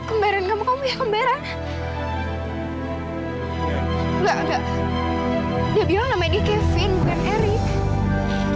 ambil karningan dia menangkut